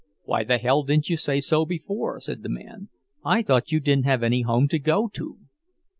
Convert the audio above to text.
"Why the hell didn't you say so before?" said the man. "I thought you didn't have any home to go to."